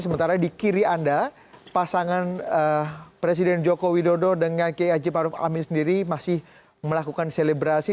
sementara di kiri anda pasangan presiden joko widodo dengan kiai haji maruf amin sendiri masih melakukan selebrasi